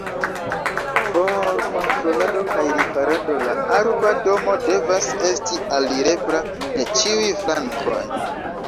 Por kontrolado kaj riparado la arba domo devas esti alirebla de ĉiuj flankoj.